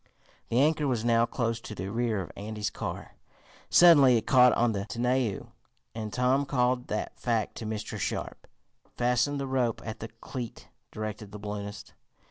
The anchor was now close to the rear of Andy's car. Suddenly it caught on the tonneau and Tom called that fact to Mr. Sharp. "Fasten the rope at the cleat," directed the balloonist.